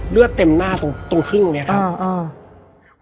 เลือดเต็มหน้าตรงครึ่งเลยครับ